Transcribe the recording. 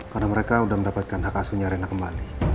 karena mereka sudah mendapatkan hak asuhnya rena kembali